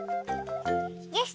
よし！